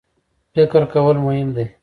فکر کول مهم دی.